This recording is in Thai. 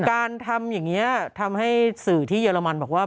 การทำอย่างนี้ทำให้สื่อที่เยอรมันบอกว่า